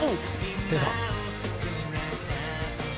出た。